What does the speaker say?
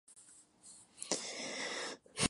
Lombardi hizo varios personajes, a menudo enmascarados.